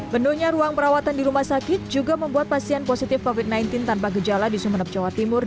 bendungnya ruang perawatan di rumah sakit juga membuat pasien positif covid sembilan belas tanpa gejala di sumeneb jawa timur